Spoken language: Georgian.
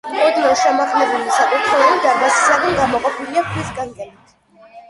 ოდნავ შემაღლებული საკურთხეველი დარბაზისაგან გამოყოფილია ქვის კანკელით.